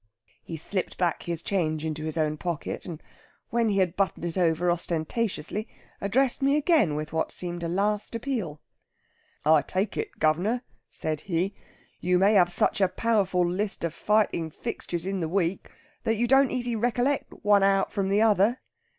He slipped back his change into his own pocket, and when he had buttoned it over ostentatiously addressed me again with what seemed a last appeal. 'I take it, guv'nor,' said he, 'you may have such a powerful list of fighting fixtures in the week that you don't easy recollect one out from the other.